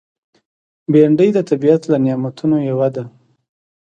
بېنډۍ د طبیعت له نعمتونو یوه ده